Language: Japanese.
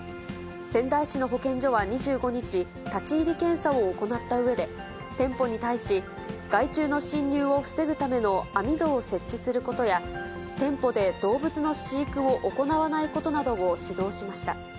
仙台市の保健所は２５日、立ち入り検査を行ったうえで、店舗に対し、害虫の侵入を防ぐための網戸を設置することや、店舗で動物の飼育を行わないことなどを指導しました。